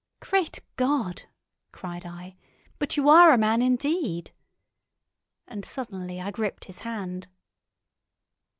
"Great God!" cried I. "But you are a man indeed!" And suddenly I gripped his hand.